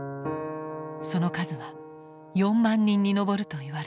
その数は４万人に上るといわれている。